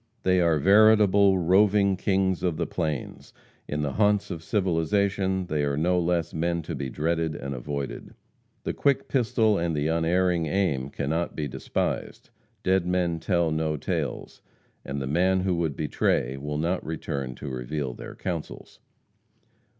They are veritable roving kings of the plains. In the haunts of civilization they are no less men to be dreaded and avoided. The quick pistol and the unerring aim cannot be despised. Dead men tell no tales, and the man who would betray will not return to reveal their counsels.